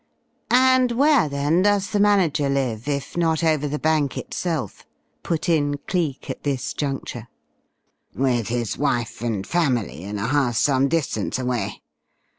"And where, then, does the manager live, if not over the bank itself?" put in Cleek at this juncture. "With his wife and family, in a house some distance away.